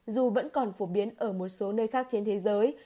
dù vẫn còn phổ biến ở một số nơi khác trên thế giới